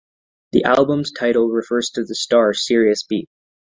The album title refers to the star Sirius B.